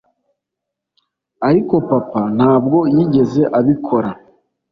ariko papa ntabwo yigeze abikora